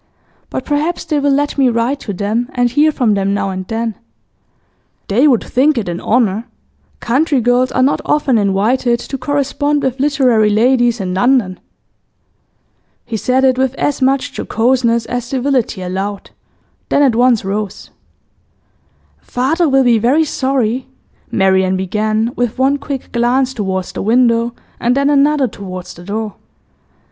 'But perhaps they will let me write to them, and hear from them now and then.' 'They would think it an honour. Country girls are not often invited to correspond with literary ladies in London.' He said it with as much jocoseness as civility allowed, then at once rose. 'Father will be very sorry,' Marian began, with one quick glance towards the window and then another towards the door.